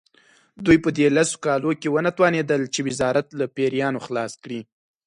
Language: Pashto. دوی په دې لسو کالو کې ونه توانېدل چې وزارت له پیریانو خلاص کړي.